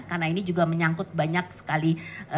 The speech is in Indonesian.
karena ini juga menyangkut banyak sekali